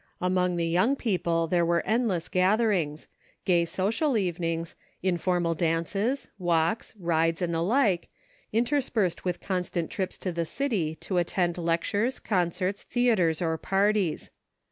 Among the young people there were endless gath erings ; gay social evenings, informal dances, walks, rides and the like, interspersed with constant trips to the city to attend lectures, concerts, theatres or parties.